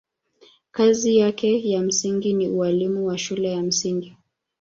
Kazi yake ya msingi ni ualimu wa shule ya msingi.